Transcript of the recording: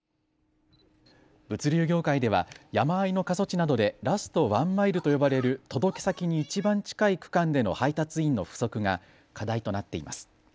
物流業界では山あいの過疎地などでラストワンマイルと呼ばれる届け先にいちばん近い区間での配達員の不足が課題となっています。